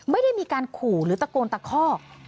ไม่ได้มีการขู่หรือตะโกนตะคอก